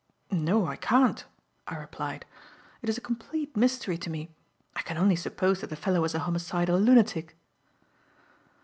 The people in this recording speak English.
"No, I can't," I replied. "It is a complete mystery to me. I can only suppose that the fellow was a homicidal lunatic."